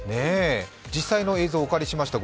実際の映像をお借りしました。